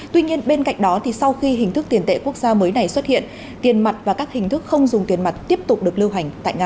tuy nhiên bên cạnh đó sau khi hình thức tiền tệ quốc gia mới này xuất hiện tiền mặt và các hình thức không dùng tiền mặt tiếp tục được lưu hành tại nga